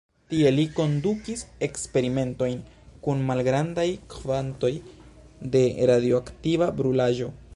Tie li kondukis eksperimentojn kun malgrandaj kvantoj de radioaktiva brulaĵo.